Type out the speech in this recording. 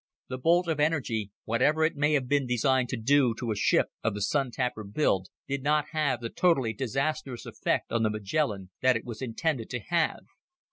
The bolt of energy, whatever it may have been designed to do to a ship of the Sun tapper build, did not have the totally disastrous effect on the Magellan that it was intended to have.